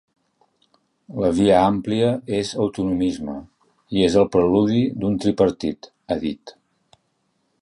“La via àmplia és autonomisme i és el preludi d’un tripartit”, ha dit.